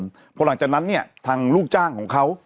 เพราะหลังจากนั้นเนี่ยทางลูกจ้างของเขา